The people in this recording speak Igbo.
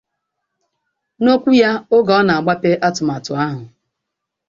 N'okwu ya oge ọ na-agbape atụmatụ ahụ